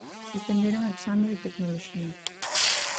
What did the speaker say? Suspendera un exame de Tecnoloxía.